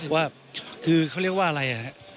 ว่าคือเขาเรียกว่าอะไร